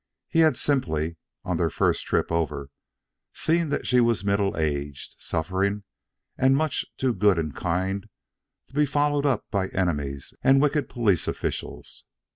He had simply, on their first trip over, seen that she was middle aged, suffering and much too good and kind to be followed up by enemies and wicked police officials.